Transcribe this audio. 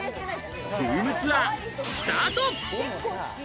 ルームツアースタート！